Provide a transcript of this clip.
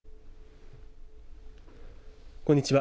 こんにちは。